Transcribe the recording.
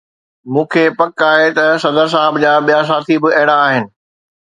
مون کي پڪ آهي ته صدر صاحب جا ٻيا ساٿي به اهڙا آهن.